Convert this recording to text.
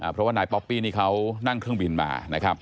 เพราะว่านายป๊อปปี้นี่เขานั่งเครื่องบินมานะครับ